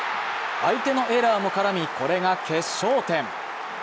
相手のエラーも絡みこれが決勝点。